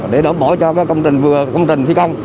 để đảm bảo cho công trình vừa công trình thi công